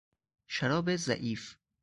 شراب ضعیف